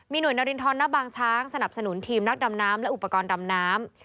หน่วยนารินทรณบางช้างสนับสนุนทีมนักดำน้ำและอุปกรณ์ดำน้ำ